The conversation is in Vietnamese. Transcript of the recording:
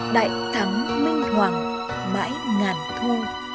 đại thắng minh hoàng mãi ngàn thu